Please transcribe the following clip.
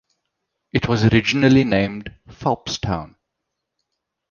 It was originally named Phelpstown.